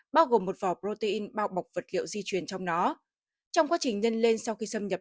bao gồm một vỏ protein bao bọc vật liệu di truyền trong nó trong quá trình nhân lên sau khi xâm nhập